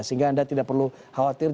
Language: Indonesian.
sehingga anda tidak perlu khawatir